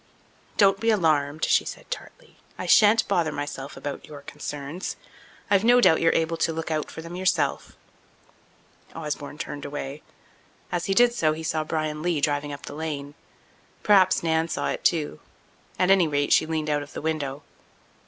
"Don't be alarmed," she said tartly. "I shan't bother myself about your concerns. I've no doubt you're able to look out for them yourself." Osborne turned away. As he did so he saw Bryan Lee driving up the lane. Perhaps Nan saw it too. At any rate, she leaned out of the window.